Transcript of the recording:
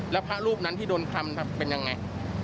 แล้วพระรูปนั้นที่โดนทำเป็นยังไง